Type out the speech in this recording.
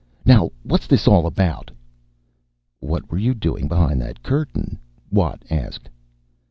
Now what's this all about?" "What were you doing behind that curtain?" Watt asked.